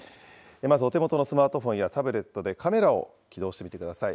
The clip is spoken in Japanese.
まずお手元のスマートフォンやタブレットでカメラを起動してみてください。